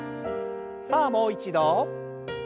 さあもう一度。